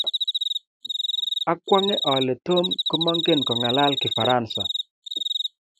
Akwong'e ole Tom komengen kong'alal Kifaransa.